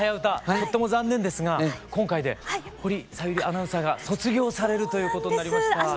とっても残念ですが今回で保里小百合アナウンサーが卒業されるということになりました。